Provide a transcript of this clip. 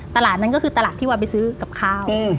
ตลาดนั้นก็คือตลาดที่วันไปซื้อกับข้าว